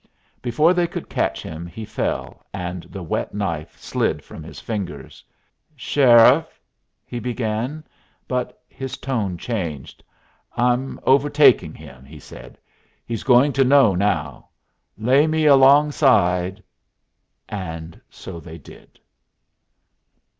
Before they could catch him he fell, and the wet knife slid from his fingers. "Sheriff," he began, but his tone changed. "I'm overtakin' him!" he said. "He's going to know now. Lay me alongside " And so they did.